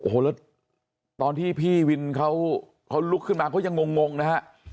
โอ้โหแล้วตอนที่พี่วินเขาลุกขึ้นมาเขายังงงนะฮะ